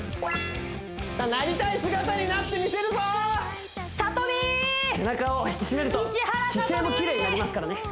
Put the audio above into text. さあなりたい姿になってみせるぞ背中を引き締めると姿勢もきれいになりますからね